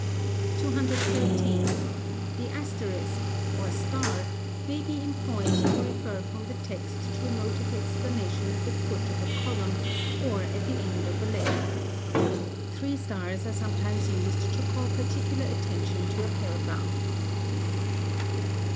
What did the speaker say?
213. The Asterisk, or Star * may be employed to refer from the text to a note of explanation at the foot of a column, or at the end of a letter. [] Three stars are sometimes used to call particular attention to a paragraph.